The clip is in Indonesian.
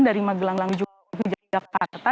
dari manggelang ke jakarta